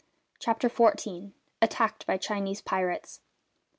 CHAPTER FOURTEEN. ATTACKED BY CHINESE PIRATES.